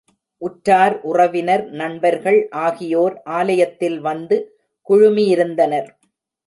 உற்றார், உறவினர், நண்பர்கள் ஆகியோர் ஆலயத்தில் வந்து குழுமியிருந்தனர்.